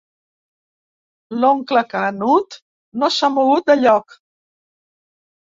L'oncle Canut no s'ha mogut de lloc.